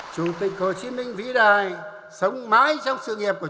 chủ tịch hồ chí minh sống mãi với non sông đất nước